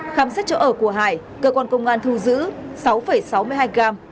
khám xét chỗ ở của hải cơ quan công an thu giữ sáu sáu mươi hai gram